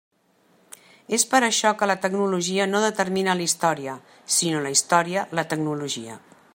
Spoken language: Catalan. És per això que la tecnologia no determina la història, sinó la història la tecnologia.